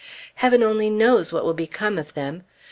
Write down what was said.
Heaven only knows what will become of them.